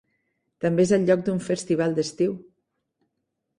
També és el lloc d'un festival d'estiu.